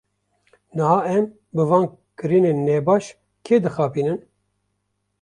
Niha em, bi van kirinên nebaş kê dixapînin?